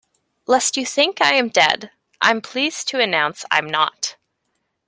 Lest you think I am dead, I’m pleased to announce I'm not!